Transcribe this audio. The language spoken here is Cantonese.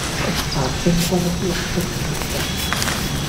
眼睛骨碌碌的轉動